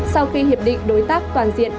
sau khi hiệp định đối tác toàn diện